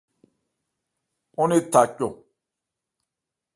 Ɔ́n ne tha cɔn.